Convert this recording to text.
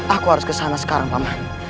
aku harus ke sana sekarang paman